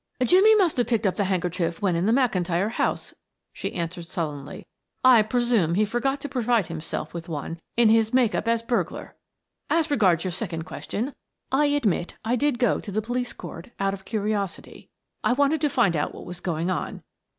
"Jimmie must have picked up the handkerchief when in the McIntyre house," she answered sullenly. "I presume he forgot to provide himself with one in his make up as burglar. As regards your second question I admit I did go to the police court out of curiosity I wanted to find out what was going on.